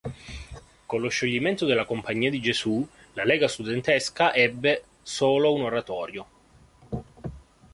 Con lo scioglimento della Compagnia di Gesù la lega studentesca ebbe solo un Oratorio.